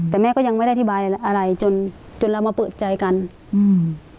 แต่แม่ก็ยังไม่ได้อธิบายอะไรอะไรจนจนเรามาเปิดใจกันอืม